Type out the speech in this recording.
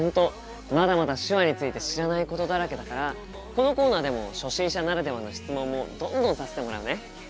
まだまだ手話について知らないことだらけだからこのコーナーでも初心者ならではの質問もどんどんさせてもらうね。